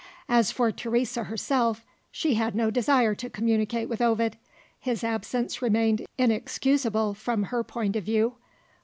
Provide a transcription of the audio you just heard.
As for Teresa herself, she had no desire to communicate with Ovid. His absence remained inexcusable, from her point of view.